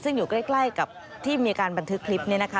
ซึ่งอยู่ใกล้กับที่มีการบันทึกคลิปนี้นะคะ